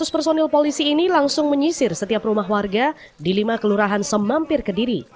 lima ratus personil polisi ini langsung menyisir setiap rumah warga di lima kelurahan semampir kediri